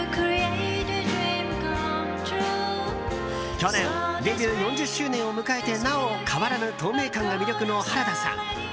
去年デビュー４０周年を迎えてなお変わらぬ透明感が魅力の原田さん。